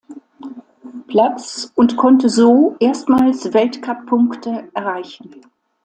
Platz und konnte so erstmals Weltcup-Punkte erreichen.